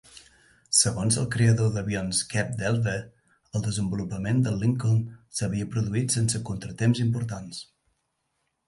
Segons el creador d'avions Kev Delve, el desenvolupament del Lincoln s'havia produït sense contratemps importants.